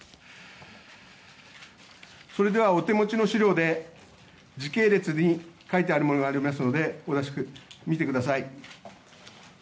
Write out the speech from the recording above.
それでは、お手持ちの資料で時系列に書いてあるものがありますので見てください。